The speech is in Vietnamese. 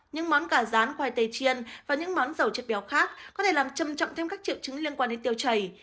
những món gà rán khoai tây chiên và những món dầu chất béo khác có thể làm trầm trọng thêm các triệu chứng liên quan đến tiêu chảy